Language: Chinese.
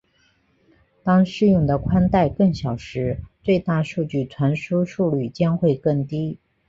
当适用的带宽更小时最大数据传输速率将会更低。